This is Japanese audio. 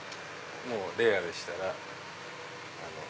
レアでしたら。